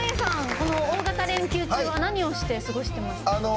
この大型連休中は何をして過ごしてましたか？